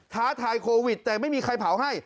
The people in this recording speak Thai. ท้าทายโควิดแต่ไม่มีใครเผาให้